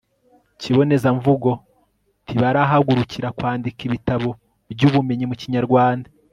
kibonezamvugo ntibarahagurukira kwandika ibitabo by'ubumenyi mu kinyarwanda